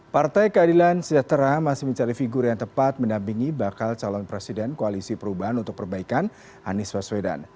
partai keadilan sejahtera masih mencari figur yang tepat mendampingi bakal calon presiden koalisi perubahan untuk perbaikan anies baswedan